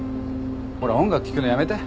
ほら音楽聴くのやめて。